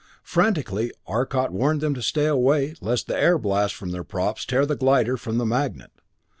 Frantically Arcot warned them away, lest the air blast from their props tear the glider from the magnet.